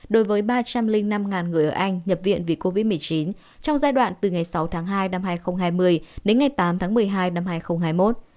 đối với ba trăm linh năm người ở anh nhập viện vì covid một mươi chín trong giai đoạn từ ngày sáu tháng hai năm hai nghìn hai mươi đến ngày tám tháng một mươi hai năm hai nghìn hai mươi một